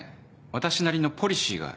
私なりのポリシーがある。